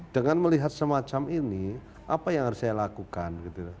dengan melihat semacam ini apa yang harus saya lakukan